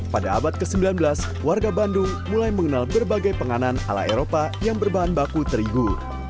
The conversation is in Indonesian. pada abad ke sembilan belas warga bandung mulai mengenal berbagai penganan ala eropa yang berbahan baku terigu